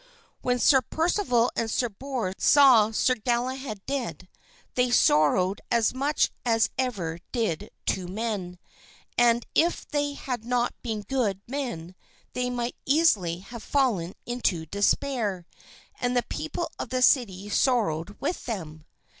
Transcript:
When Sir Percival and Sir Bors saw Sir Galahad dead, they sorrowed as much as ever did two men, and if they had not been good men they might easily have fallen into despair; and the people of the city sorrowed with them.